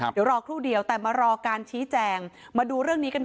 เดี๋ยวรอครู่เดียวแต่มารอการชี้แจงมาดูเรื่องนี้กันก่อน